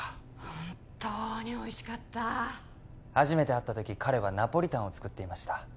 本当においしかった初めて会った時彼はナポリタンを作っていました